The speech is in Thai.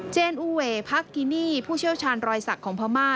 เจอูเวพักกินี่ผู้เชี่ยวชาญรอยสักของพม่า